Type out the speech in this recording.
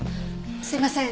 すいません